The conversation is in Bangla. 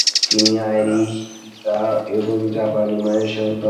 তিনি আইরিশ পিতা এবং জাপানি মায়ের সন্তান।